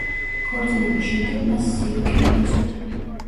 ქორწინების შემდეგ მას სიოკენი ეწოდა.